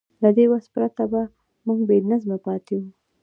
له دې وس پرته به موږ بېنظمه پاتې وو.